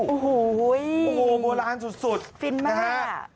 โอ้โฮโบราณสุดนะฮะนะฮะนะฮะฟิ้นมาก